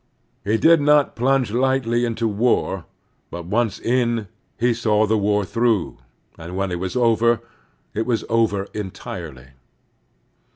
He did not plunge lightly into war, but once in, he saw the war through, and when it was over, it was over entirely.